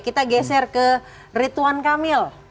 kita geser ke rituan kamil